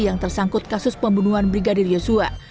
yang tersangkut kasus pembunuhan brigadir yosua